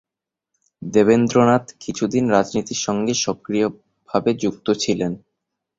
দেবেন্দ্রনাথ কিছুদিন রাজনীতির সঙ্গে সক্রিয়ভাবে যুক্ত ছিলেন।